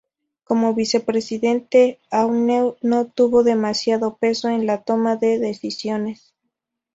Como vicepresidente Agnew no tuvo demasiado peso en la toma de decisiones.